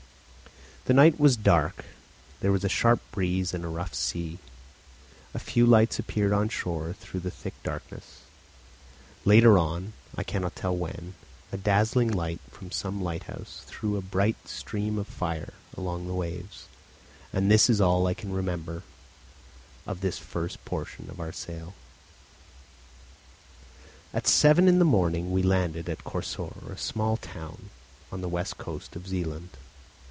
The night was dark; there was a sharp breeze and a rough sea, a few lights appeared on shore through the thick darkness; later on, I cannot tell when, a dazzling light from some lighthouse threw a bright stream of fire along the waves; and this is all I can remember of this first portion of our sail. At seven in the morning we landed at Korsor, a small town on the west coast of Zealand.